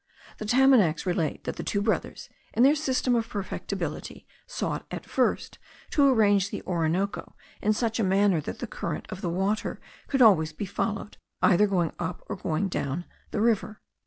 The Tamanacs relate that the two brothers, in their system of perfectibility, sought, at first, to arrange the Orinoco in such a manner, that the current of the water could always be followed either going down or going up the river.